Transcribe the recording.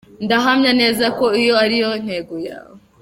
Ndahamya neza ko iyo ari yo ntego yawe.